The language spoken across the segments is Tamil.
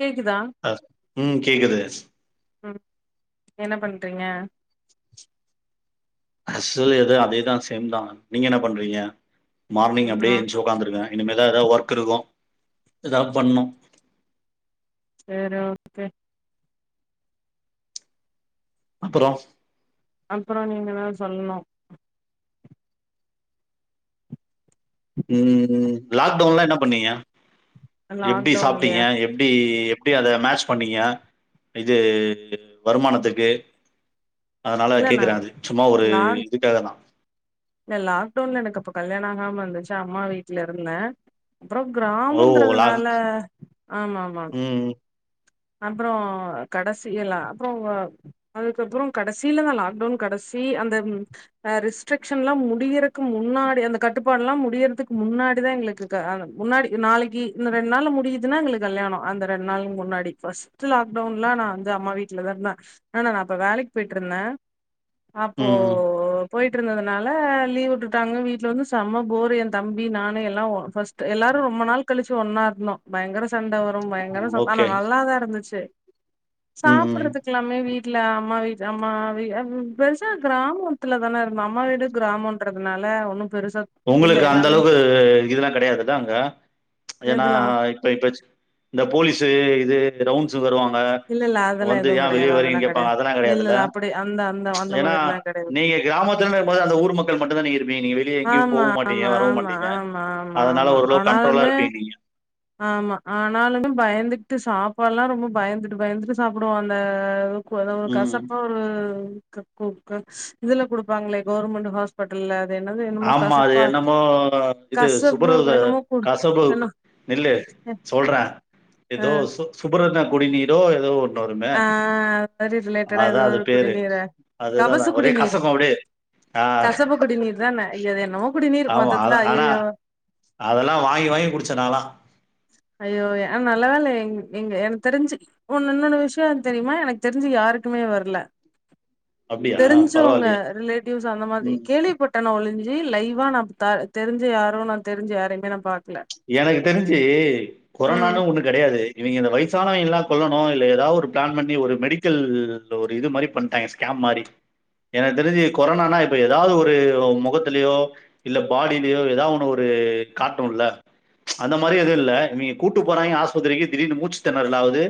கேக்குதா அஹ உம் கேக்குது ம் என்ன பண்றீங்க அசல் எதோ அதேதான் சேம் தான் நீங்க என்ன பண்றீங்க மார்னிங் ம் ஆ அப்படியே எந்திச்சு உட்காந்துருக்கங்க இனிமல ஏதாவது ஒர்க் இருக்கும் ஏதாவது பண்ணும் சரி ஓகே அப்புறம் அப்புறோ நீங்கதா சொல்லணு. உம் லாக்டவுன்லாம் என்ன பண்ணீங்க. எப்டி சாப்ட்டீங்க லாக்டவுன்லயா எப்டி. எப்டி அத மேட்ச் பண்ணீங்க. இது வருமானத்துக்கு. அதனால இல்லண்ணா கேக்குறே அது சும்மா ஒரு லான் இதுக்காக தா இல்ல லாக்டவுன்ல எனக்கு அப்ப கல்யாணம் ஆகாம. இருந்துச்சா அம்மா வீட்டுல இருந்த. அப்புறோ ஓ லாக் கிராமன்றதுனால ஆமா ஆமா. ம் அப்புறோ கடைசி எல்லா அப்புறோ அதுக்கப்புறோ கடைசியிலதா லாக்டவுன் கடைசி அந்தரெஸ்ட்ரிகஷன் எல்லா முடியறக்கு முன்னாடி அந்த கட்டுப்பாடு எல்லா முடியறதுக்கு முன்னாடிதா எங்களுக்கு முன்னாடி நாளைக்கு இந்த ரெண்டு நாளல முடியுதுன்னா எங்களுக்கு கல்யாணம் அந்த ரெண்டு நாள். முன்னாடி ஃபர்ஸ்ட் லாக்டவுன் எல்லா நா வந்து அம்மா வீட்டுலதா இருந்த. நா அப்ப வேலைக்கு போயிட்டு இருந்த. அப்போ. ம் போயிட்டு இருந்ததுனால லீவ் வுட்டுட்டாங்க வீட்டுல வந்து செம்ம போர் என் தம்பி நானு எல்லா பர்ஸ்ட் எல்லாரும் ரொம்ப நாள் கழிச்சு ஒன்னா இருந்தோ பயங்கர. சண்ட வரும் பயங்கர. ஆனா ஓகே நல்லாதா இருந்துச்சு. ம் ம் சாப்பிடுறதுக்கு எல்லாமே வீட். வீட்ல அம்மாவீடு அம்மா வீட்டு பெருசா கிராமத்துலதான இருந்தோ அம்மா வீடு கிராமன்றதுனால ஒண்ணும். உங்களுக்கு அந்த அளவு இதுதெல்லா கிடையாதுல அங்க. ம்ச் ஏன்னா எதுலா இப்ப இந்த போலீஸ். து இது ரவுண்ட். ஸ்சு வருவாங்க. இல்ல இல்ல அதெல்லா வந்து எதுவு ஏன் வெளிய கெடையாது அதெல்லா வருவீங்கனு கேப்பாங்க கெடையாது அதெல்லா இல்ல கெடையாதுல. இல்ல அப்படி அந்த அந்த ம்ச் அந்த ஏனா மாதிரிலா கெடையாது நீங்க கிராமத்தில இருபது அந்த ஊர் மக்கள் மட்டும்தா நீங்க. நீங்க வெளிய எங்கயும். ஆமா போகவும்மாட்டீங்க ஆமா வரவும் ஆமா மாட்டீங்க ஆமா ஆமா அதனால ஆமா ஓரளவு கண்ட்ரோலா ஆனாலுமே இருப்பீங்க நீங்க. ஆமா ஆனாலுமே பயந்துட்டு சாப்பாடெல்லா ரொம்ப பயந்துட்டு பயந்துட்டு சாப்புடுவோ அந்த. அத ஒரு ம். கசப்பா ஒரு. க்கு கஸ் இதுல கொடுப்பாங்களே கவர்மெண்ட் ஹாஸ்பிட்டல்ல. அது என்னது என்னமோ ஆம்மா அது கசப்பா என்னமோ இது கசப்பு சுப்பரது என்னமோ குடு கசப்பு என்ன நில. ல சொல்ற. ஆ ஏதோ சொக் சுப. குடிநீரோ ஏதோ ஒன். ஆஹா பரி ரிலேட்டடா ஏதோ அதான் அது ஒரு பேரு. குடிநீரே. அதுதான் கபச நான் ஒரே குடிநீர் கசக்கும் அப்படியே. ஆ கசப்பு குடிநீர்தான. ஆமா அத ஆனா அதெல்லாம வாங்கி வாங்கி குடிச்ச நாளா. ஐயோ ஹ நல்ல வேல்ல எங்க எங்க எனக்கு தெரிஞ்சு ஒன்னொன்னா ஒரு இன்னொன்னு விஷயோ தெரியுமா எனக்கு தெரிஞ்சு யாருக்குமே வரல. அப்படியா? தெரிஞ்சுவங்க பரவாயில்லையே! ரிலேட்டிவ்ஸ் அந்த மாரி ம். கேள்விப்பட்டனோ ஒலிஞ்சு. ஜி லைவ்வா நா த தெரிஞ்சி யாரும் நான் தெரிஞ்சு யாரிம்மே நா பாக். ப் ச் எனக்கு தெரிஞ் ஞ்சி ம் கொரானனு ஒன்னும் கிடையாது இவங்க இந்த வயசான யில்லாம் கொல்லணும் இல்ல ஏதா ஒரு பிளான் பண்ணி ஒரு மெடிக்கல் ஒரு இது மாரி பண்டாய்ங்க ஒரு ஸ்கேம் மாரி எனக்கு தெரிஞ்சு கொரனான இப்ப ஏதாவது ஒரு முகத்துலயோ இல்ல பாடிலயோ ஏதோ ஒன்னு காட்டம்ணுல ப் ச் அந்த மாரி எதுவு யில்ல இவிங்க கூட்டு போறாங்க ஆஸ்பத்திரிக்கு திடீனு மூச்சு தெனறல் ஆவுது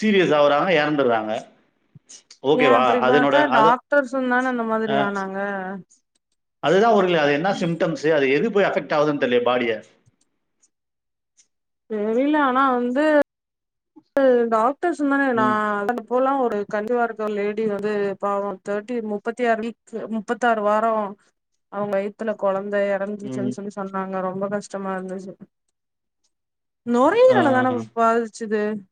சீரியஸ் ஆவுறாங்க இறந்துறாங்க ஏ அப்படி பாத்தா டாக்டர்சுந்தானே அந்த மாதிரி ஆனாங்க அதுதா ஒரு ல்ல அது என்ன சிம்டம்ஸ் அது எது போயி அஃபெக்ட் ஆவுது தெரிலய பாடிய ம் தெரில ஆனா வந்து [unintelligible] ந்தானே நா ம், [unintelligible] இப்போல்லாம் ஒரு கன்சீவ்வா இருக்க லேடி வந்து பாவம் தேட்டி முபத்தி ஆறு முபத்தி ஆறு வீக் முப்பத்தாறு வாரம் அவங்க வயத்துல குழந்த ழந்த ம். இறந்துச்சுன்னு சொல்லி சொன்னாங்க ரொம்ப ரொம்ப கஷ்டமா இருந்துச்சு ஆ. நுரையிரல தான பாதிச்சு [unintelligible]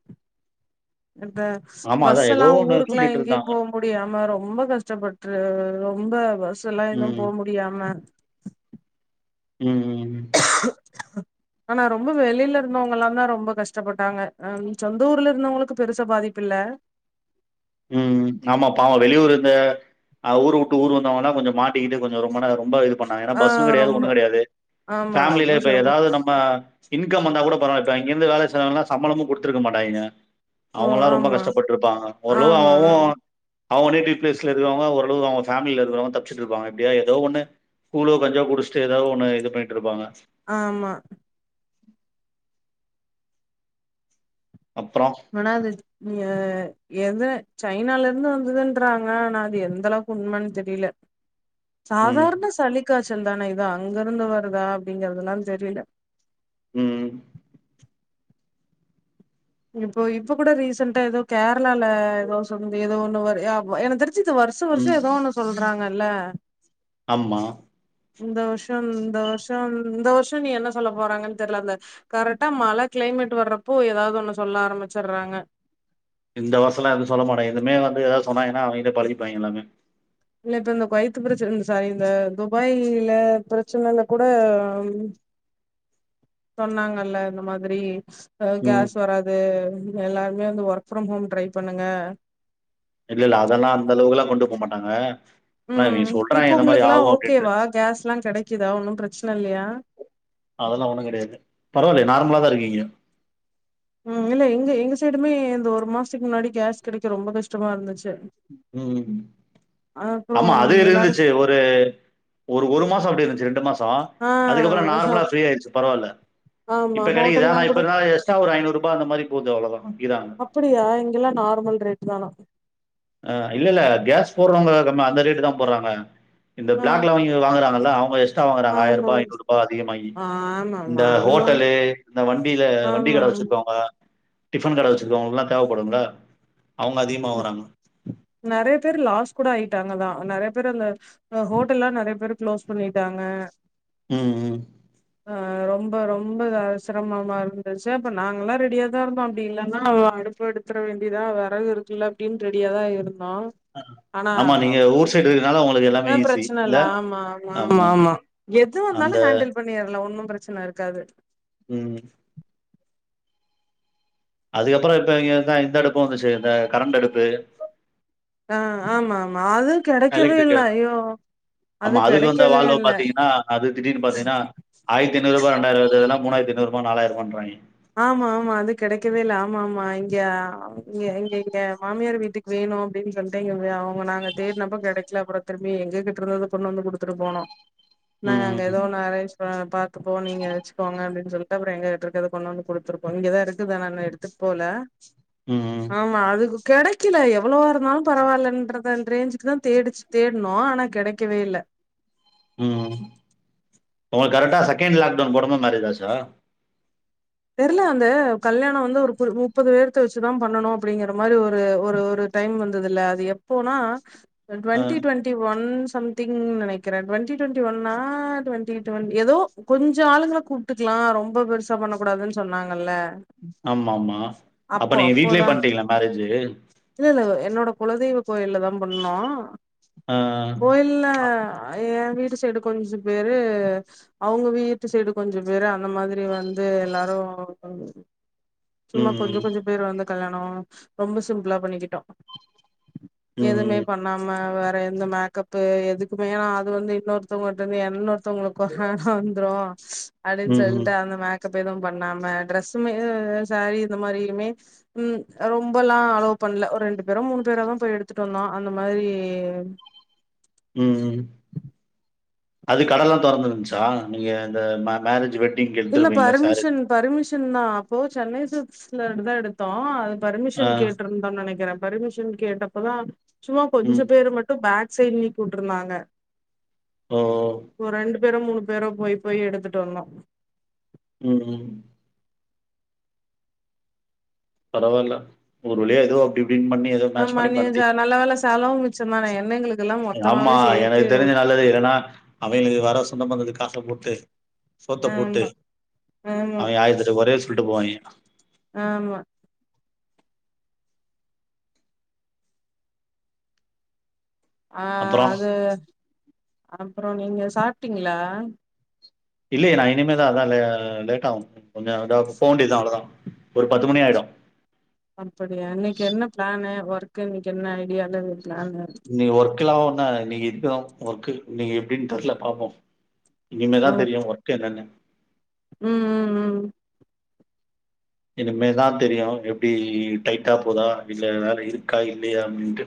இப்ப ஆமா அதான் ஏதோ பஸ்லாம் ஒண்ணு ஊருக்கெல்லாம் சொல்லிட்டு எங்கேயும் இருந்தாங்க. போக முடியாம ரொம்ப கஷ்டப்பட்டு ரொ உம்ப பஸ் சல்லா எதும் ம். போ முடியாம ம் ம் [inaudible] ஆனா ரொம்ப வெளியிலே இருந்தவங்கலத ரொம்ப தான் ரொம்ப கஷ்டப்பட்டாங்க ஹ சொந்த ஊர்ல இருந்தவங்களுக்கு பெருச பாதிப்பு இல்ல ம்ம் ஆமா பாவம் வெளியூர் இருந்த ஊர் விட்டு ஊர் வந்தவங்கன்னா கொஞ்சம் மாட்டிக்கிட்டு கொஞ்சம் ரொம்ப ரொம்ப பண்ணா ஆ பஸ்சும் கிடையாது ரொம்ப ஒன்னும் கிடையாது ஆமா ரொம்ப பேமிலிஇப்ப சிரமம் ஏதாவது நம்ம இன்கம் வந்த கூட பரவல அங்கிருந்து வேலை செய்ரவகங்லனா சம்பளமும் குடுத்துருக்க மாட்டாய்ங்க ஓ அவுங்கல்லாம் ரொம்ப ஆமா கஷ்டப்பட்டுருப்பாங்க ஒருளவு ஆமா அவ்வும் அவங்க நேட்டிவ்பிளேஸ்ல இருக்கிறங்க ஓரளவு அவங்கஃபேமிலில இருக்கவங்க தப்பிச்சிட்டு இருப்பாங்க எப்படியா ஏதா ஓன்னு கூலோ கஞ்சியோ குடிச்சட்டு ஏதா ஒன்னு இது பண்ணிட்டுப்பாங்க ஆமா அப்புறம் ஒனாது அ [unintelligible] எத சைனால இருந்து வந்ததுன்றாங்க நான் அது எந்த அளவுக்கு உண்மை தெரியல ம் சாதாரண சளிக்காச் தானே இதோ அங்க இருந்து வருதா அப்டிங்கறதுலாம் தெரியல உம் இப்போ இப்ப கூட ரீசெண்டா ஏதோ கேரளால ஏதோ சொ ஏதோ ஒண்ணு என தெரிச் வருஷம் ம் வருசம் ஏதோ ஒன்னு சொல் சொல்றாங்கல்ல ஆமா இந்த வருஷம் இந்த வருஷம் இந்த வருஷம் நீ என்ன சொல்ல போறாங்கன்னு தெரியல கரெக்டா மழ கிளைமேட் வர்றப்போ ஏதாவது ஒண்ணு சொல்ல ஆரம்பிச்சுடுறாங்க இந்த வருசம்லாம் எதுவும் சொல்ல மாட்டாங்க எதுமே வந்து எதாவது சொன்னாங்க ஏன்னா அவுங்கிட்ட பழகிப்பாங்க எல்லாமே இல்ல இப்ப இந்த கொயத்து பிரச்சனை இந்த சாரி இந்த துபாய்ல பிரச்சனைல கூட சொன்னாங்கல்ல இந்த மாதிரி ஹ ம். கேஸ் வராது எல்லாருமே வந்து ஒர்க் ஃப்ரம் ஹோம் ட்ரை பண்ணுங்க இல்ல இல்ல அதெல்லாம் அந்த அளவுக்கு எல்லாம் கொண்டு போக மாட்டாங்க ஆனா நீ ம் சொல்றாங்க இப்போ இந்த மாரி உங்களுக்குல்லா ஆகும் அப்டின்டு ஓகேவா கேஸ்லா கெடைக்குதா ஒன்னு பிரச்சன இல்லையா அதெல்லாம் ஒண்ணும் கிடையாது பரவாயில்ல நார்மலா தானே இருக்கு [unintelligible] உம் இல்ல எங்க எங்க சைடுமே இந்த ஒரு மாசத்துக்கு முன்னாடி கேஸ் கிடைக்க ரொம்ப கஷ்டமா இருந்துச்சு உம் அப்றோ ஆமா அது எல்லாரு இருந்துச்சு ஒரு ஒரு மாசம் அப்டி இருந்துச்சு ரெண்டு மாசம் ஆ அதுக்கப்புறம் ஹோ நார்மலா ஃப்ரீ ஆயிடுச்சு பரவாயில்ல ஆமா இப்ப கெடைக்குது ஹோட்டல்லா தான் இப்ப கூட இருந்தா எஸ்டா ஒரு ஐநூறுபா அந்த மாரி போது அவ்ளோதான் விக்கிறாங்க. அப்படியா இங்கெல்லாம் நார்மல் ரேட்டு தானா அஹ இல்ல இல்ல கேஸ் போடுறவங்க கம் அந்த ரேட்டு தான் போடுறாங்க இந்த ஆ பிளாக்ல வாங்கி வாங்கறாங்கள அவுங்க எஸ் எஸ்டா வாங்குறாங்க ஆமா ஆயிரூபா ஐநூறு ரூபாய் அதிகமாகி ஆமாமா இந்த அதுவா ஹோட்டலு இந்த வண்டியில வண்டி ஆமா கடை ஆமா வச்சிருக்கவுங்க டிஃபன் கடை வச்சிருக்கவுங்களுக்கலாம் தேவைப்படும்ல அவுங்க அதிகமா வாங்குறாங்க நெறைய பேர் லாஸ் கூட ஆயிட்டாங்கதான் நெறைய பேர் அந்த ஹோட்டல்லா நெறைய பேருக் க்ளோஸ் பண்ணிட்டாங்க ம் ம் ஆ ரொம்ப ரொம்ப சிரமமா இருந்துச்சி அப்ப நாங்கல்லா ரெடியா தா இருந்தோ அப்டி இல்லன்னா அடுப்பு எடுத்துர வேண்டியதா வெறகு இருக் குள்ள அப்டின்னு ரெடியாதா இருந்தோ ஆனா ஆமா, நீங்க ஊர் சைடு இருக்கனால உங்களுக்கு எல்லாமே ஈஸி ப்ரச்ன இல்ல ஆமா ஆமா ஆமா எது வந்தாலு அந்த ஹேண்டில் பண்ணிர்லா ஒன்னு பிரச்சனை இருக்காது ம் அதுக்கப்புற இப்ப இங்க தா இந்த அடுப்ப வந்துச்சே இந்த கரண்ட் அடுப்பு ஆ ஆமா ஆமா அது கெடைக்கவே எலக்ட்ரிக் இல்ல ஐயோ அது ஆமா. அதுக்கு வந்த கெடைக்கவே வால்வ இல்ல பார்த்தீங்கன்னா, ஐநூறுவா ரொண்டாயிர மூனாயிரத்து ஜய்நூறுபா நாலாயிருபான்றாங்க ஆமா ஆமா அது கெடைக்கவே இல்ல ஆமா ஆமா இங்க இங்க இங்க மாமியார் வீட்டுக்கு வேணு அப்டின்னு சொல்ட்டு எங்க அவங்க நாங்க தேடினப்ப கெடைக்கல அப்றோ திரும்பி எங்ககிட்ட இருந்தத கொண்டு வந்து குடுத்துட்டு போனோ நாங்க அங்க ம். எதோ ஒண்ணு அரேஞ்ச் ஆஹ் பாத்துப்போ நீங்க வெச்சிக்கோங்க அப்டினு சொல்ட்டு அப்றோ எங்க கிட்ட இருக்குறத கொண்டு வந்து குடுத்துருக்கோ இங்க தா இருக்குது ஆனா இன்னு எடுத்துட்டு போல ம். ஆமா அதுக்கு கெடைக்கல எவ்வளவா இருந்தாலு பரவாயில்லன்றத ரேஞ்சுக்கு தா தேடிச்சு தேட்ணோ ஆனா கெடைக்கவே இல்ல உம் உங்களுக்கு கரெட்டா செகண்ட் லாக்டவுன் போடும்போது மேரஜ் ஆச்சா தெர்ல அந்த கல்யாண வந்து ஒரு முப்பது பேர்த்த வச்சு தா பண்ணணு அப்டிங்கற மாரி ஒரு ஒரு ஒரு டைம் வந்தது இல்ல அது எப்போனா அ. ட்வென்ட்டி ட்வென்ட்டி ஒன் சம்திங் நெனைக்கிற ட்வென்ட்டி ட்வென்ட்டி ஒன்னா ட்வென்ட்டி ட்வென்ட் எதோ கொஞ்ஜோ ஆளுங்கள கூப்ட்டுக்கலா ரொம்ப பெருசா பண்ண கூடாதுன்னு சொன்னாங்கல்ல ஆமா ஆமா அப்ப அப்போ நீங்க வீட்லே அப்போதா பண்ணிட்ங்லா மேரேஜி இல்ல இல்ல என்னோட குலதெய்வ கோயில்ல தா பண்ணோ அ. கோயில்ல எ வீட்டு சைடு கொஞ்ச பேரு அவுங்க வீட்டு சைடு கொஞ்ச பேரு அந்த மாதிரி வந்து வந்து எல்லாரு சும்மா கொஞ்ஜோ ம். கொஞ்ஜோ பேர் வந்து கல்யாணோ ரொம்ப சிம்பிளா பண்ணிக்கிட்டோ எதுமே ம். பண்ணாம வே இந்த மேக்கப்பு எதுக்குமே நா அது வந்து இன்னொருத்தவங்கிட்ட இருந்து இன்னொருத்தவங்களுக்கு கொரானா வந்துரு அப்டி ம். சொல்ட்டு அந்த மேக் மேக்கப் எது பண்ணாம டிரரெஸ்சுமே சாரீ இந்த மாரியுமே ம் ரொம்பெல்லா அலோ பண்ணல ஒரு ரெண்டு பேரோ மூணு பேரோ தா போய் எடுத்துட்டு வந்தோ அந்த மாரி உம் உம் அது கடல்லா தொறந்ருன்ச்சா நீங்க இந்த மேரேஜ் வெட் இல்ல பர்மிஷன் பர்மிஷன் பர்மிஷன் தா அப்போ சென்னை சில்க்ஸ்ல தா எடுத்தோ ஆ. பர்மிஷன் கேட்டு இருந்தோனு நெனைக்கிறே பரிமிஷன் கேட்டப்பதா சுமா ம். கொஞ்ச பேர் மட்டு பே செயில்லி கூட்டுயிருந்தாக ஓ ஓ பேரோ மூணு பேரோ போய் போய் எடுத்துட்டு வந்தோ உம் உம் பரவால்ல ஒரு வலியா ஏதோ அப்படி பின்பண்ணி ஏதோ மேச் ஆமா பண்ணி நீ ச பண்டிங்க நல்ல வேல செலவு மிச்ச தானே என்ன எங்களுக்கு ஆம்மா எனக்கு தெரிஞ்சி நலது இல்லன்னா அவிகளுகு வர சொந்த பந்ததுகு காசப்போட்டு சோத்தப்போட்டு ஆமா அவிக ஆயர்தெட்டுகொறைய சொ விட்டுட்டு போவங்கா ஆம்மா ஆஹா அப்புறம் அது அப்ற நீங்க சாப்பிடிங்களா இல்லயே நா இனிமே தா ஹா அதான் லேட் ஆகும் கொஞ்ச போவேடியது அவளதான் ஒரு பத்து மணி ஆயிடும் அப்படியா இன்னைக்கு என்ன பிளான் ஒர்க்கு இன்னைக்கு என்ன ஐடியல பிலனு க்ள ஒன்னு நீங்க இதுக்குதான் ஒர்க நீங்க எப்படின்னு தெர்ல பாப்போம் இனிமேதான் தெரியும் ஒர்க் என்னனு உம் உம் உம் இனிமேதான் தெரியும் எப்படி டைட்டா போதா இல்ல வேலை இருக்கா இல்லையா அப்படின்ட்டு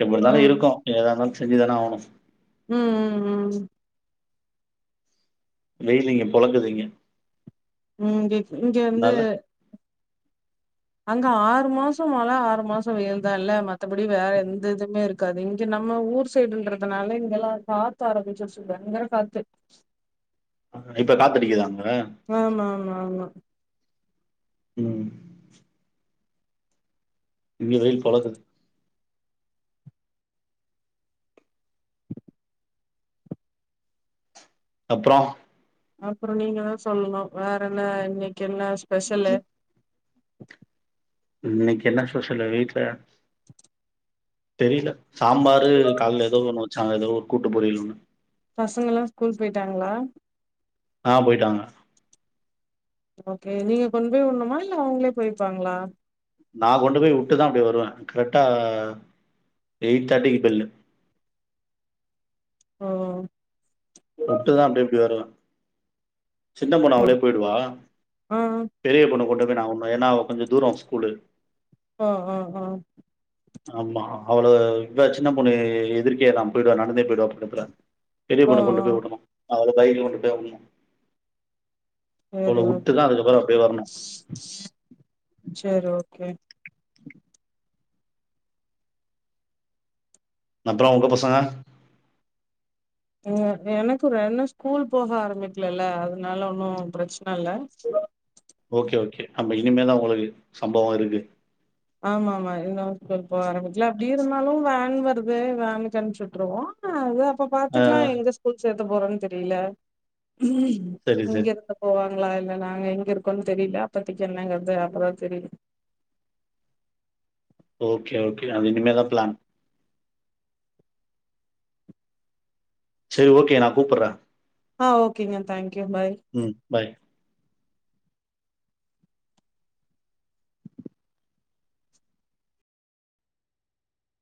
எப்படியிருந்தாலும் இருக்கும் ஏதா இருந்தாலம் சோஞ்சுதானே ஆவணும் உம் உம் உம் வெய்லிங்க போழக்குதுங்க உம் இங்க இங்க வந்து அங்க ஆறு மாசம் மழை ஆறு மாசம் வெயல் தான் இல்ல மத்தபடி வேற எந்த இதுவுமே இருக்கு க்காது இங்க நம்ம ஊர் சைடுல்ன்றதுனால இங்கெல்லாம் காத்து ஆரம்பிச்சு சொல்றேன் இங்கற காத்து ஹ இப்ப காத்தடிக்குதாங்க ஆமா ஆ ஆமா உம் இங்க வெயில் போலக்குது அப்புறம் அப்புறம் நீங்க தான் சொல்லணும் வேற என்ன இன்னைக்கு என்ன ஸ்பெஷல் இன்னைக்கு என்ன ஸ்பெஷல்லு வீட்டுல தெரியல சாம்பார் கால்ல ஏதோ ஒன்னு வச்சு ஏதோ ஒரு கூட்டு பொறியல் ஒண்ணு பசங்க ஸ்கூல் போயிட்டாங்களா ஆஹ போயிட்டாங்க ஓகே நீங்க கொண்டு போய் விடனுமா இல்ல அங்களே போயிப்பாங்களா நான் கொண்டு போய் விட்டுதான் அப்படி வருவேன் கரெக்டா எயிட் தேர்ட்டிக்கு பேல்லு ஆஹாம் உட்டுதான் அப்படி இப்டி வருவேன் சின்ன பொண்ணு அவளே போயிடுவா ஆ பெரிய பொண்ண கொண்ட நான் உடணும் ஏன்னா கொஞ்சம் தூரம் ஸ்கூலு ஓஹோ ஹோ ஹோ ஆமா அவ்ளோ இவ சின்ன பொண்ணு எதிர்கே தான் போயி்டுவா நடந்தே போயி்டுவா பக்கத்துல பெரிய ஓ ஓ பொண்ணு கொண்டு போய் வுடணும் அவள பைக்யில கொண்டு போய் வுடணும் சேரி அவள உட்டுதான் ஓகே அதுக்கப்புறம் போய் வரணும் சேரி அப்புறம் உங்க பசங்க எனக்கு ரெண்டும் ஸ்கூல் போக ஆரம்பிக்கலல்ல அதனால ஒன்னும் பிரச்சனை இல்ல ஓகே ஓகே அப்ப இனிமேதான் உங்களுக்கு சம்பவம் இருக்கு ஆமா ஆமா இருந்தாலும் ஸ்கூல் போக ஆரம்பிக்கல அப்படி இருந்தாலும் வேன் வருது வேனுக்கு அனுப்புச்சிவிட்டுருவோம் அது அப்ப ஆ பாத்துக்கலாம் எங்க ஸ்கூல் சேக் க போறேன்னு தெரியல சரி, இங்கே சரி. இருந்து போவா இங்களா இல்ல நாங்க எங்க இருக்கோன்னு தெரியல அப்பத்திக்கு என்னங்கிறது அப்பதான் தெரியும் ஓகே ஓகே அதுஇனிமேதான் பிளான் செரி ஓகே நான் கூப்படுறேன் ஆஹ் ஓகேங்க தேங் உம் பாய்